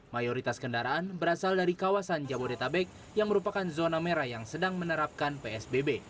mayoritas kendaraan berasal dari kawasan jabodetabek yang merupakan zona merah yang sedang menerapkan psbb